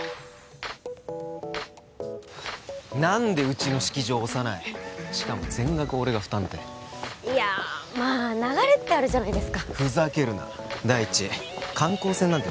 何でうちの式場を推さないしかも全額俺が負担っていやまあ流れってあるじゃないですかふざけるな第一観光船なんて